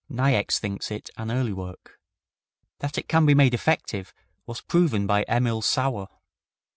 Niecks thinks it an early work. That it can be made effective was proven by Emil Sauer.